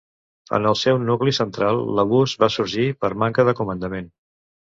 En el seu nucli central, l'abús va sorgir per manca de comandament.